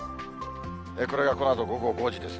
これがこのあと午後５時ですね。